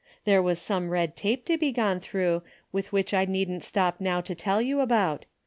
There was some red tape to be gone through with which I needn't stop now to tell you about.